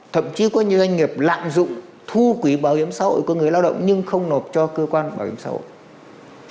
thậm chí có nhiều doanh nghiệp lạm dụng thu quỹ bảo hiểm xã hội của người lao động nhưng không nộp cho cơ quan bảo hiểm xã hội